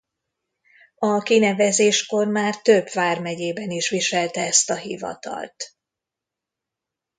A kinevezéskor már több vármegyében is viselte ezt a hivatalt.